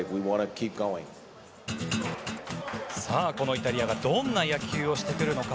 イタリアがどんな野球をしてくるのか。